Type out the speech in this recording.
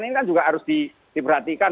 ini kan juga harus diperhatikan